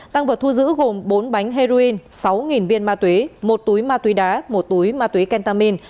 tăng vật thu giữ gồm bốn bánh heroin sáu viên ma túy một túi ma túy đá một túi ma túy kentamin